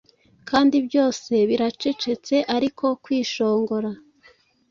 Kandi byose biracecetse ariko kwishongora.